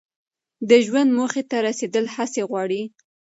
د ژوند موخې ته رسیدل هڅې غواړي.